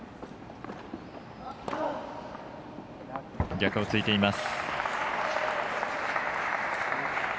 逆をついています。